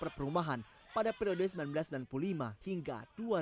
perumahan pada periode seribu sembilan ratus sembilan puluh lima hingga dua ribu dua